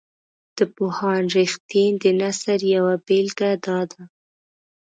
د پوهاند رښتین د نثر یوه بیلګه داده.